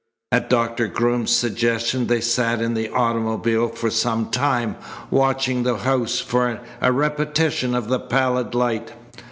At Doctor Groom's suggestion they sat in the automobile for some time, watching the house for a repetition of the pallid light.